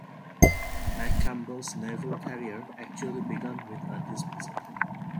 McCampbell's naval career actually began with a dismissal.